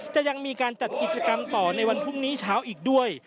ยังมีการจัดกิจกรรมต่อในวันพรุ่งนี้เช้าอีกด้วย